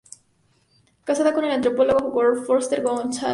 Casada con el antropólogo Rolf Foerster Gonzalez.